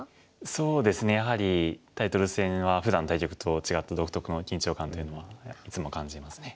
そうですねやはりタイトル戦はふだんの対局と違って独特の緊張感というのはいつも感じますね。